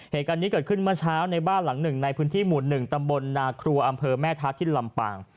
เหตุการณ์นี้เกิดขึ้นเมื่อเช้าในบ้านหลังหนึ่งในพื้นที่หมู่๑ตำบลนาครัวอำเภอแม่ทัศน์ที่ลำปาง